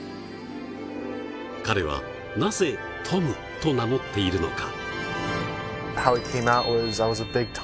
彼はなぜ「トム」と名乗っているのか。